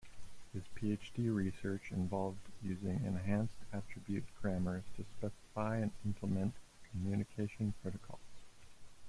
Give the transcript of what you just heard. His PhD research involved using enhanced attribute grammars to specify and implement communication protocols.